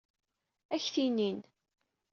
Ad ak-t-inin.